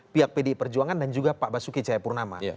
pihak pdi perjuangan dan juga pak basuki cahayapurnama